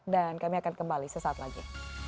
dan kami akan kembali sesaat lagi